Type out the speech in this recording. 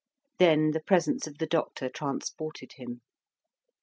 Then the presence of the doctor transported him.